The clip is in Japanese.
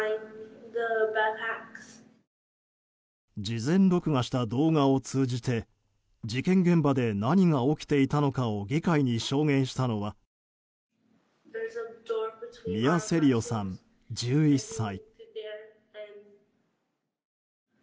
事前録画した動画を通じて事件現場で何が起きていたのかを議会に証言したのはミア・セリヨさん、１１歳。